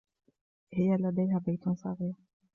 هي لديها بيت صغير.